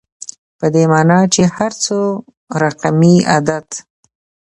په دې معني چي هر څو رقمي عدد